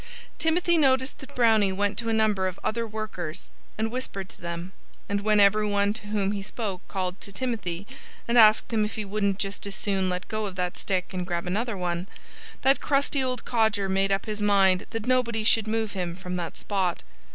Timothy noticed that Brownie went to a number of the other workers and whispered to them. And when everyone to whom he spoke called to Timothy and asked him if he wouldn't just as soon let go of that stick and grab another one, that crusty old codger made up his mind that nobody should move him from that spot.